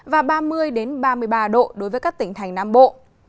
và ba mươi ba mươi ba độ đối với các tỉnh thành nam bộ